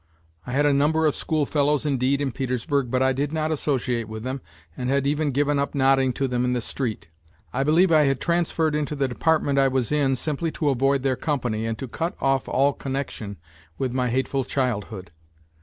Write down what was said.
I had a number of schoolfellows indeed in Petersburg, but I did not associate with them and had even given up nodding to them in the street. I believe I had transferred into the department I was in simply to avoid their company and to cut off all connection with my hateful child hood.